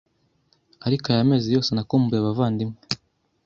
Ariko aya mezi yose nakumbuye abavandimwe